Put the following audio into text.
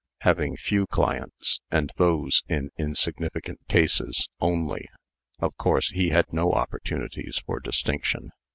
Having few clients, and those in insignificant cases only, of course he had no opportunities for distinction.